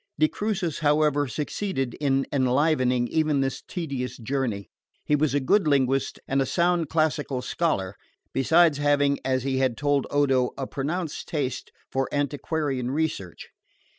De Crucis, however, succeeded in enlivening even this tedious journey. He was a good linguist and a sound classical scholar, besides having, as he had told Odo, a pronounced taste for antiquarian research.